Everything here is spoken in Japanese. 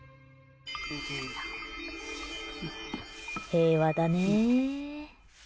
平和だね。